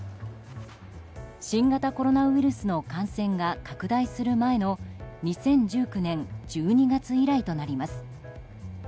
新型コロナウイルスの感染が拡大する前の２０１９年１２月以来となります。